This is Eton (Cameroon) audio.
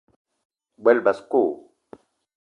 O gbele basko?